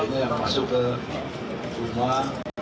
ini yang masuk ke rumah